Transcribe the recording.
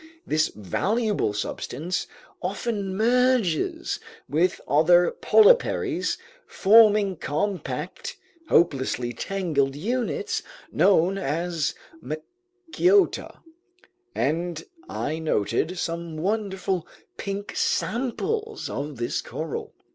This valuable substance often merges with other polyparies, forming compact, hopelessly tangled units known as "macciota," and I noted some wonderful pink samples of this coral.